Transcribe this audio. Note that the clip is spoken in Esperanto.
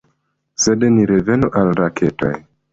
Sed ni revenu al la raketoj.